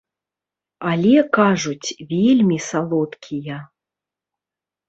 Але, кажуць, вельмі салодкія.